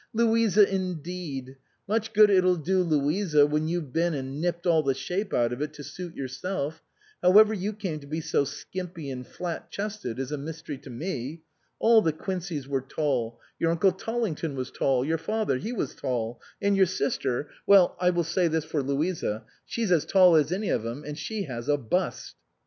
Louisa indeed ! Much good it'll do Louisa when you've been and nipped all the shape out of it to suit yourself. However you came to be so skimpy and flat chested is a mystery to me. All the Quinceys were tall, your uncle Tollington was tall, your father, he was tall ; and your sister, well ; I will say this for Louisa, she's as tall as any of 'em, and she has a bust."